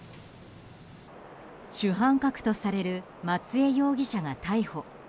主犯格とされる松江容疑者が逮捕。